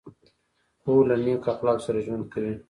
خور له نیک اخلاقو سره ژوند کوي.